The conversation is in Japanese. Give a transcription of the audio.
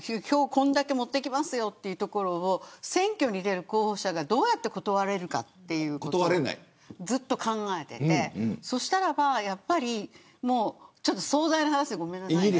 これだけ持ってきますよというところを選挙に出る候補者がどうやって断れるかというのをずっと考えていてそしたらば、やっぱり壮大な話でごめんなさい。